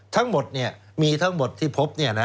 ทั้งหมดมีทั้งหมดที่พบ